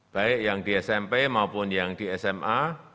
baik yang di smp maupun yang di sma